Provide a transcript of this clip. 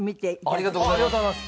ありがとうございます！